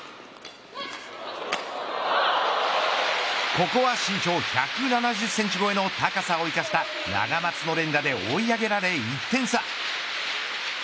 ここは身長１７０センチ超えの高さを生かしたナガマツの連打で追い上げられ１点差。